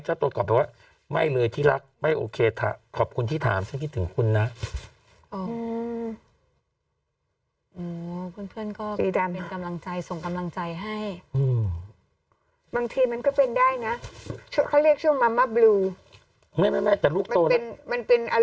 ตัวกลับไปว่าไม่เลยที่รักไม่โอเคขอบคุณที่ถามฉันคิดถึงคุณนะ